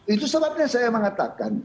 itu sebabnya saya mengatakan